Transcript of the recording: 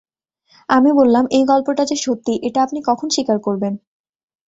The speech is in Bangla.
আমি বললাম, এই গল্পটা যে সত্যি, এটা আপনি কখন স্বীকার করবেন?